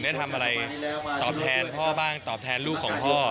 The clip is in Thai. ได้ทำอะไรตอบแทนพ่อบ้างตอบแทนลูกของพ่อ